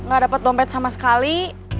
gak dapat dompet sama sekali